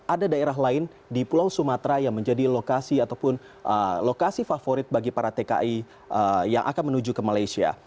ada daerah lain di pulau sumatera yang menjadi lokasi ataupun lokasi favorit bagi para tki yang akan menuju ke malaysia